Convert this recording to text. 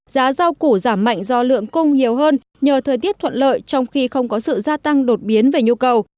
giá rau củ giảm mạnh do lượng cung nhiều hơn nhờ thời tiết thuận lợi trong khi không có sự gia tăng đột biến về nhu cầu